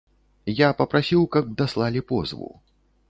Я папрасіў, каб даслалі позву.